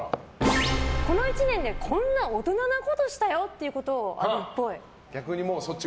この１年でこんな大人なことしたよっていうことあるっぽい。